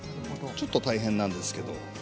ちょっと大変なんですけど。